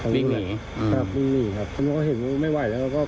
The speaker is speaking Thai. วิ่งไหนครับวิ่งหนีครับคุณก็เห็นไม่ไหวแล้วก็